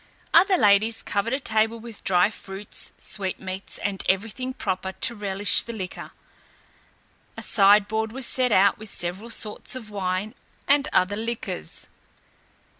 Other ladies covered a table with dry fruits, sweetmeats, and everything proper to relish the liquor; a side board was set out with several sorts of wine and other liquors.